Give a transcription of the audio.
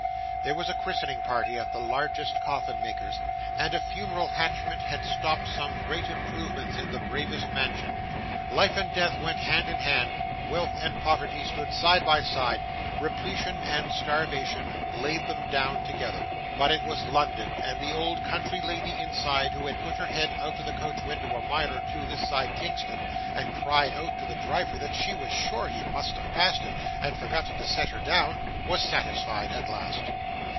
There was a christening party at the largest coffin maker's and a funeral hatchment had stopped some great improvements in the bravest mansion. Life and death went hand in hand; wealth and poverty stood side by side; repletion and starvation laid them down together. But it was London; and the old country lady inside, who had put her head out of the coach window a mile or two this side Kingston, and cried out to the driver that she was sure he must have passed it and forgotten to set her down, was satisfied at last.